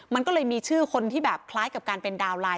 มันก็เลยมีชื่อคนที่แบบคล้ายกับการเป็นดาวนไลน